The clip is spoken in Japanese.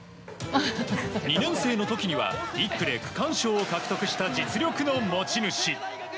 ２年生の時には１区で区間賞を獲得した実力の持ち主。